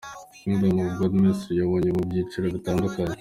Kingdom Of God Ministries yabonetse mu byiciro bitandukanye.